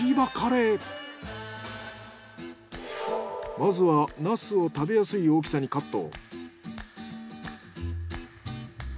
まずはナスを食べやすい大きさにカット。